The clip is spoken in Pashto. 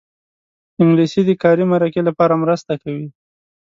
انګلیسي د کاري مرکې لپاره مرسته کوي